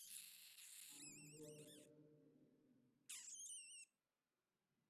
na wananchi wote kwa kipindi cha miaka minne na anaweza kuchaguliwa